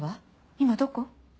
今どこ？